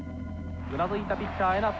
うなずいたピッチャー江夏。